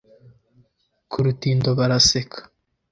Ku rutindo baraseka